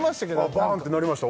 バーンってなりました